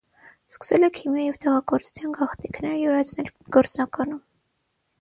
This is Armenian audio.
Սկսել է քիմիայի և դեղագործության գաղտնիքները յուրացնել գործնականում։